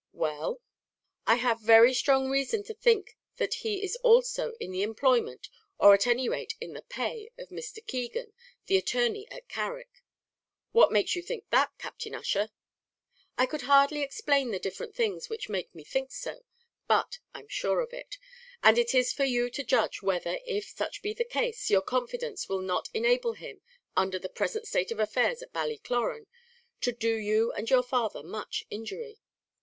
"Well?" "I have very strong reason to think that he is also in the employment, or at any rate in the pay, of Mr. Keegan, the attorney at Carrick." "What makes you think that, Captain Ussher?" "I could hardly explain the different things which make me think so; but I'm sure of it; and it is for you to judge whether, if such be the case, your confidence will not enable him, under the present state of affairs at Ballycloran, to do you and your father much injury.